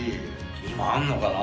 今あるのかな？